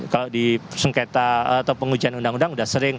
kalau di sengketa atau pengujian undang undang sudah sering